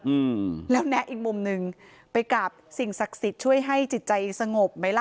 อืมแล้วแนะอีกมุมหนึ่งไปกับสิ่งศักดิ์สิทธิ์ช่วยให้จิตใจสงบไหมล่ะ